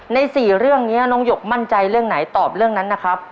ใน๔เรื่องนี้น้องหยกมั่นใจเรื่องไหนตอบเรื่องนั้นนะครับ